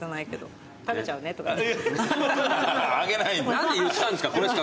何で言ったんですか